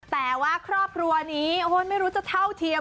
แต่ว่าครอบครัวนี้ไม่รู้จะเท่าเทียม